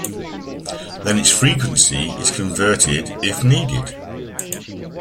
Then its frequency is converted if needed.